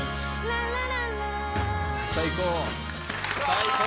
最高！